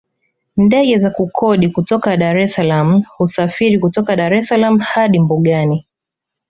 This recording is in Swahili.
Ndege za kukodi kutoka Dar es salaam husafiri kutoka Dar es Salaam hadi mbugani